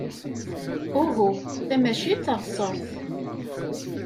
Uhu, ta maci d taɣsert.